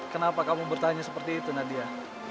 kenapa kamu bertanya seperti itu nadia